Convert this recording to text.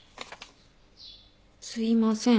「すいません。